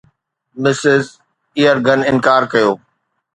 Mrs Yeargan انڪار ڪيو